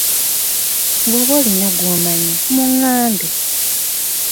Bw'oba olina gw'omanyi muŋŋambe.